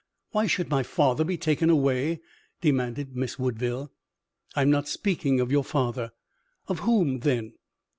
"Why should my father be taken away?" demanded Miss Woodville. "I'm not speaking of your father." "Of whom, then?"